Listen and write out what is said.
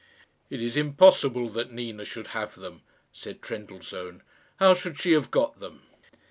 "It is impossible that Nina should have them," said Trendellsohn. "How should she have got them?"